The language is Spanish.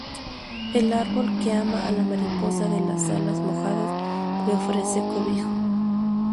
El árbol, que ama a la mariposa de las alas mojadas, le ofrece cobijo.